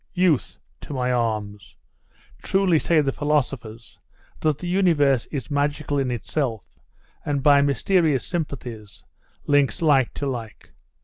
Youth! to my arms! Truly say the philosophers, that the universe is magical in itself, and by mysterious sympathies links like to like.